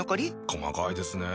細かいですね。